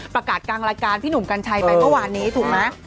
ประกาศกัดกางรัการพี่หนุ่มกัญชัยไปกว่านี้ถูกไหม